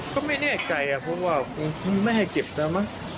ก็ไม่แน่ใจเพราะว่าไม่ให้เก็บแล้วมั้ง